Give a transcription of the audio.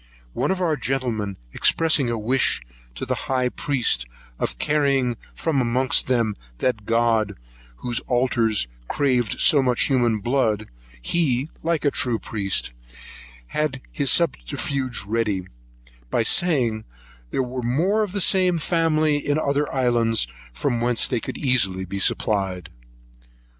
One of our gentlemen expressing a wish to the high priest, of carrying from amongst them that God whose altars craved so much human blood, he, like a true priest, had his subterfuge ready, by saying, there were more of the same family in the other islands, from whence they could easily be supplied.